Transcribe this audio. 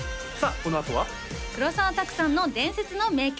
このあとは黒澤拓さんの伝説の名曲